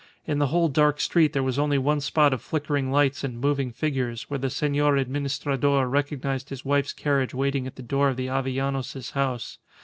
In the whole dark street there was only one spot of flickering lights and moving figures, where the Senor Administrador recognized his wife's carriage waiting at the door of the Avellanos's house.